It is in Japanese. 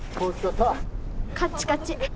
カッチカチ。